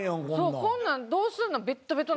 そうこんなんどうすんの？